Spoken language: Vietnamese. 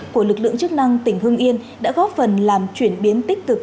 của lực lượng chức năng tỉnh hưng yên đã góp phần làm chuyển biến tích cực